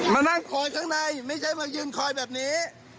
มานั่งคอยข้างในไม่ใช่มายืนคอยแบบนี้